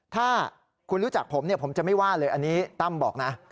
ถ้าคุณรู้จักผมผมจะไม่ว่าเลยอันนี้ตั้มบอกนะ